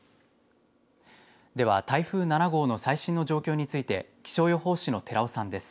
では、台風７号の最新の状況について気象予報士の寺尾さんです。